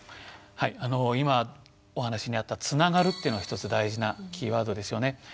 はいあの今お話にあった「つながる」というのが一つ大事なキーワードですよね。